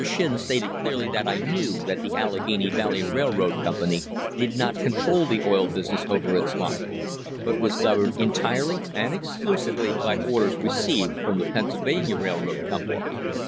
Shinn stated clearly that I knew that the Allegheny Valley Railroad Company did not control the oil business over its line, but was governed entirely and exclusively by orders received from the Pennsylvania Railroad Company.